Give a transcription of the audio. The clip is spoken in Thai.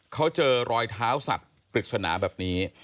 เขาเจอรอยเท้าสัตว์ปริศนาแบบนี้